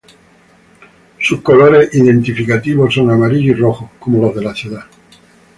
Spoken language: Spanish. Sus colores identificativos son amarillo y rojo, como los de la ciudad.